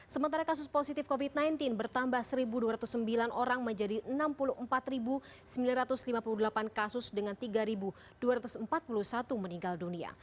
sementara kasus positif covid sembilan belas bertambah satu dua ratus sembilan orang menjadi enam puluh empat sembilan ratus lima puluh delapan kasus dengan tiga dua ratus empat puluh satu meninggal dunia